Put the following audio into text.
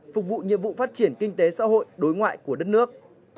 phục vụ nhiệm vụ phát triển kinh tế xã hội đối ngoại của đất nước